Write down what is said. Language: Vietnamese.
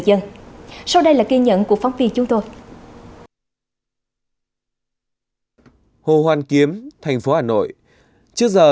em đến từ lúc năm giờ